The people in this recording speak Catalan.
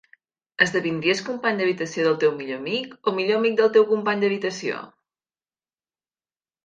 Esdevindries company d'habitació del teu millor amic o millor amic del teu company d'habitació?